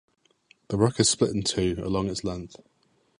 The rock is split in two, along its length.